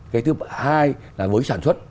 cái thứ hai là với sản xuất